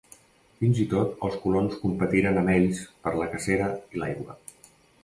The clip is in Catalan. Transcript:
Fins i tot els colons competiren amb ells per la cacera i l'aigua.